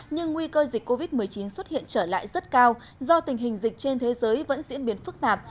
nhưng nguy cơ dịch covid một mươi chín xuất hiện trở lại rất cao do tình hình dịch trên thế giới vẫn diễn biến phức tạp